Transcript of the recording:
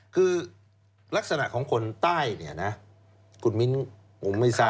คือลักษณะของคนใต้เนี่ยนะคุณมิ้นผมไม่ทราบ